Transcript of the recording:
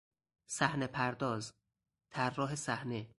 صحنهپرداز، طراح صحنه